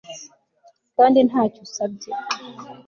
kandi ntacyo usabye